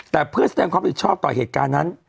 แต่เพื่อแสดงความผิดชอบต่อเหตุการณ์นั้น